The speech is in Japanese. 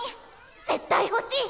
絶対ほしい！